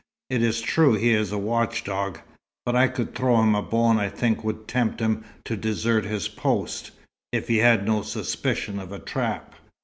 "It is true he is a watch dog; but I could throw him a bone I think would tempt him to desert his post if he had no suspicion of a trap.